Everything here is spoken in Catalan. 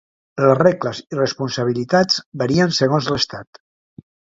Les regles i responsabilitats varien segons l'estat.